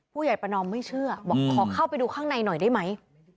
ผู้ใหญ่ประนอมไม่เชื่อบอกขอเข้าไปดูข้างในหน่อยได้ไหม